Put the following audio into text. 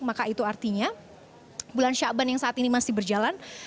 maka itu artinya bulan syakban yang saat ini masih berjalan